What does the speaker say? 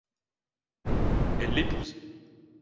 Elle l’épouse.